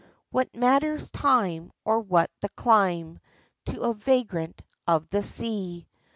35 What matters time or what the clime To a vagrant of the sea